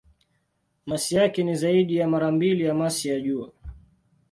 Masi yake ni zaidi ya mara mbili ya masi ya Jua.